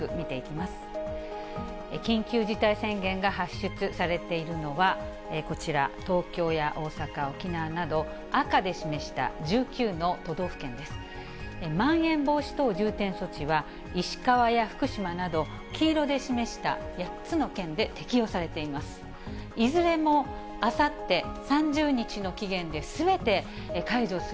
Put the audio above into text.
まん延防止等重点措置は、石川や福島など黄色で示した８つの県で適用されています。